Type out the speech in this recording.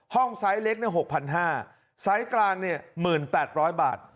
ไซส์เล็ก๖๕๐๐ไซส์กลาง๑๘๐๐บาท